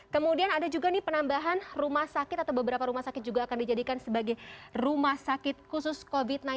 kemudian ada juga nih penambahan rumah sakit atau beberapa rumah sakit juga akan dijadikan sebagai rumah sakit khusus covid sembilan belas